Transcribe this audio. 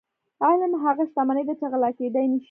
علم هغه شتمني ده چې غلا کیدی نشي.